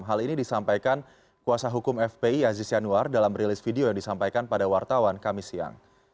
hal ini disampaikan kuasa hukum fpi aziz yanuar dalam rilis video yang disampaikan pada wartawan kami siang